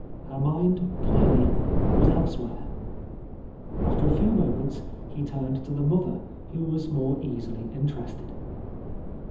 Her mind, clearly, was elsewhere. After a few moments he turned to the mother, who was more easily interested.